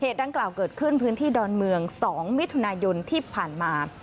ดังกล่าวเกิดขึ้นพื้นที่ดอนเมือง๒มิถุนายนที่ผ่านมา